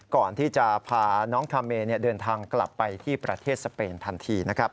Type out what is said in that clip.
ก่อนที่จะพาน้องคาเมเดินทางกลับไปที่ประเทศสเปนทันทีนะครับ